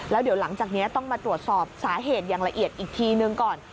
แล้วเดี๋ยวหลังจากนี้ต้องมาตรวจสอบสาเหตุอย่างละเอียดอีกทีนึงก่อน